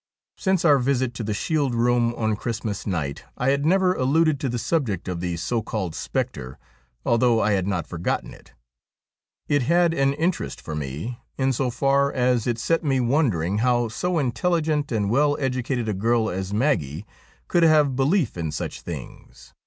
Since our visit to the Shield Eoom on Christmas night I had never alluded to the subject of the so called spectre, although I had not forgotten it. It had an interest for me in so far as it set me wondering how so intelligent and well educated a girl as Maggie could have belief in such things.